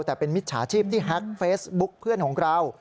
แต่เป็นมิจฉาชีพที่แฮ็กเฟซบุ๊กเพื่อนของเรา